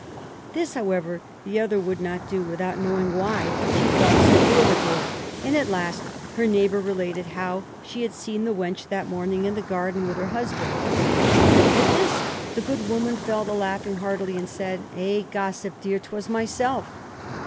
This, however, the other would not do without knowing why she thought so ill of the girl, and at last her neighbour related how she had seen the wench that morning in the garden with her husband. At this the good woman fell to laughing heartily, and said "Eh! gossip dear, 'twas myself!"